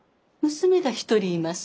娘が一人います。